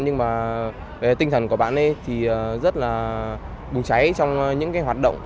nhưng mà về tinh thần của bạn ấy thì rất là bùng cháy trong những cái hoạt động